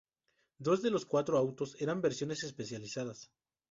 Dos de los cuatro autos eran versiones especializadas.